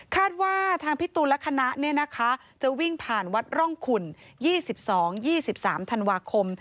ว่าทางพี่ตูนและคณะจะวิ่งผ่านวัดร่องขุ่น๒๒๒๓ธันวาคม